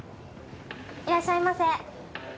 いらっしゃいませ。